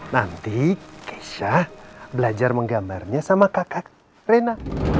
nanti kesha belajar menggambarnya sama kakak rena